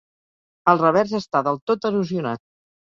El revers està del tot erosionat.